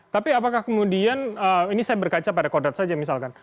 tapi apakah kemudian ini saya berkaca pada kodrat saja misalkan